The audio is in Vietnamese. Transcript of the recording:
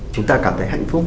chúng ta cảm thấy hạnh phúc